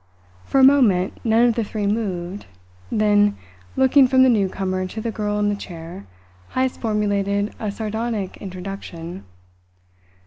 For a moment none of the three moved, then, looking from the newcomer to the girl in the chair, Heyst formulated a sardonic introduction.